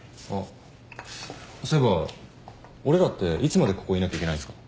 そういえば俺らっていつまでここいなきゃいけないんすか？